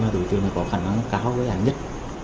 đối tượng có khả năng cao với án nhất